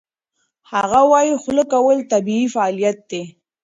هغه وايي خوله کول طبیعي فعالیت دی.